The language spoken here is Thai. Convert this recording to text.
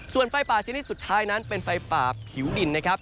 ส่วนไฟป่าชนิดสุดท้ายนั้นเป็นไฟป่าผิวดินนะครับ